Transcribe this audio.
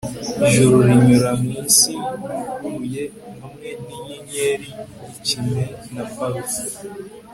Ijoro rinyura mwisi yuguruye hamwe ninyenyeri ikime na parufe